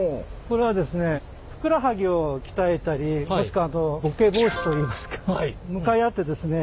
これはですねふくらはぎを鍛えたりもしくはボケ防止といいますか向かい合ってですね